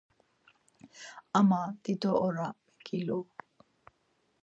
Ama dido ora miǩilu.